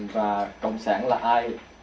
và cộng sản là ai